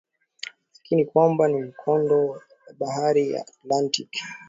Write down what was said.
lakini kwamba ni mikondo ya Bahari ya Atlantiki